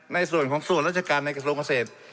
ในส่วนของส่วนราชการในกระทรวงเกษตร